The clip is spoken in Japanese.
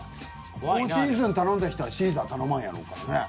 フォーシーズン頼んだ人はシーザー頼まんやろうからね。